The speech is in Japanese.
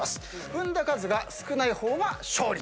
踏んだ数が少ない方が勝利と。